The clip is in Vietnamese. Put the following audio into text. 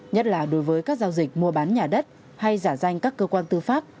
nhất là đối với các giao dịch mua bán nhà đất hay giả danh các cơ quan tư pháp